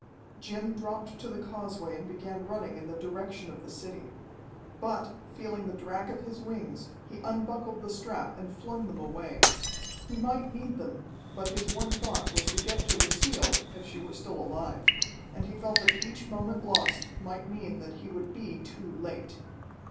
Jim dropped to the causeway and began running in the direction of the city. But, feeling the drag of his wings, he unbuckled the strap and flung them away. He might need them, but his one thought was to get to Lucille, if she were still alive. And he felt that each moment lost might mean that he would be too late.